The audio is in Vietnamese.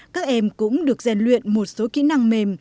các em cũng được gian luyện một số kỹ năng mềm